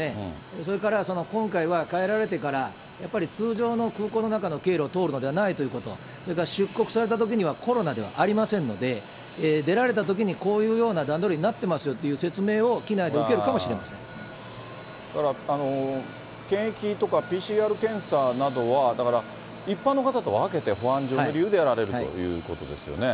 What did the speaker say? それから今回は帰られてからやっぱり通常の空港の中の経路を通るのではないということ、それから出国されたときには、コロナではありませんので、出られたときにこういうような段取りになっていますよという説明を機内で受ける検疫とかＰＣＲ検査などは、だから一般の方と分けて、保安上の理由でやられるということです